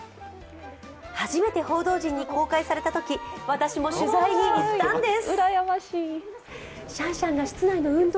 初めて報道陣に公開されたとき私も取材に行ったんです。